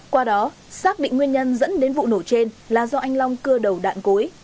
qua đó xác định nguyên nhân dẫn đến vụ nổ trên là do anh long cưa đầu đạn cối